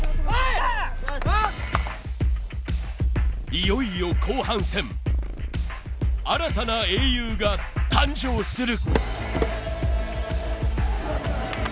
いよいよ後半戦新たな英雄が誕生する